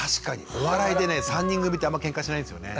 お笑いでね３人組ってあんまけんかしないんですよね。